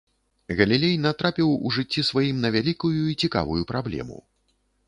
Галілей натрапіў у жыцці сваім на вялікую і цікавую праблему.